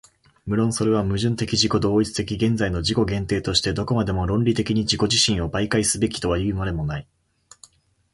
無論それは矛盾的自己同一的現在の自己限定としてどこまでも論理的に自己自身を媒介すべきはいうまでもない。